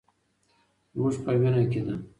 زموږ په وینه کې ده.